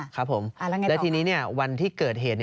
ครับผมแล้วยังไงต่อไปแล้วทีนี้วันที่เกิดเหตุ